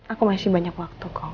aku masih banyak waktu kok